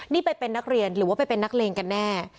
นี่ไปเป็นนักเรียนหรือว่าไปเป็นนักเลงกันแน่